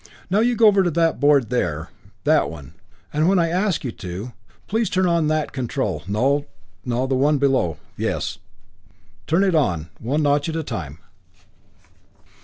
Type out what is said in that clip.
"Now, you go over to that board there that one and when I ask you to, please turn on that control no, the one below yes turn it on about one notch at a time."